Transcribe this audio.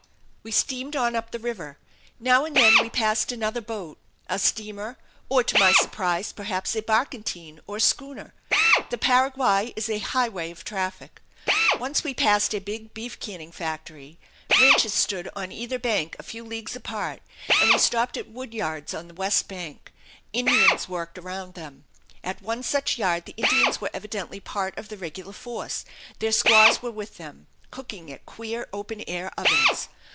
We steamed on up the river. Now and then we passed another boat a steamer, or, to my surprise, perhaps a barkentine or schooner. The Paraguay is a highway of traffic. Once we passed a big beef canning factory. Ranches stood on either bank a few leagues apart, and we stopped at wood yards on the west bank. Indians worked around them. At one such yard the Indians were evidently part of the regular force. Their squaws were with them, cooking at queer open air ovens.